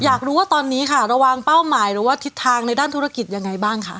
อยากรู้ว่าตอนนี้ค่ะระวังเป้าหมายหรือว่าทิศทางในด้านธุรกิจยังไงบ้างคะ